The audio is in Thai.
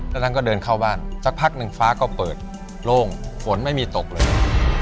จากนั้นก็เดินเข้าบ้านสักพักหนึ่งฟ้าก็เปิดโล่งฝนไม่มีตกเลย